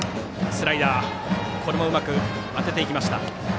スライダーにもうまく当てていきます。